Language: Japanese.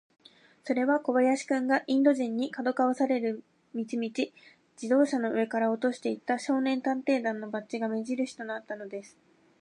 それは小林君が、インド人に、かどわかされる道々、自動車の上から落としていった、少年探偵団のバッジが目じるしとなったのです。